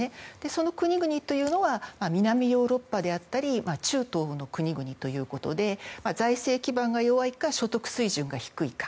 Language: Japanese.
その国々というのは南ヨーロッパであったり中東の国々ということで財政基盤が弱いか所得水準が低いか。